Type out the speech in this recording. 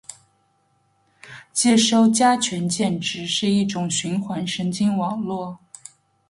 接收加权键值是一种循环神经网络